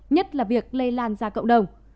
nhất là việc lây lan ra cộng đồng